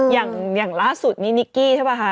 อย่างล่าสุดนี่นิกกี้ใช่ป่ะคะ